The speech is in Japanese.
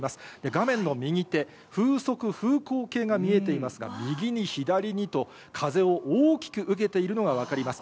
画面の右手、風速風向計が見えていますが、右に、左にと、風を大きく受けているのが分かります。